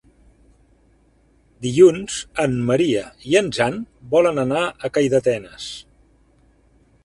Dilluns en Maria i en Jan volen anar a Calldetenes.